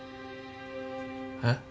えっ？